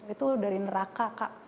itu dari neraka kak